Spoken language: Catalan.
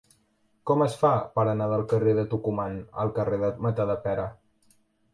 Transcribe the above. Com es fa per anar del carrer de Tucumán al carrer de Matadepera?